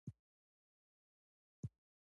ده د لسګونو قبیلو ځوانان راټول کړل.